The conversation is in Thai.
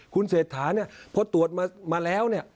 คุณเศรษฐาเนี่ยพอตรวจมาแล้วเนี่ย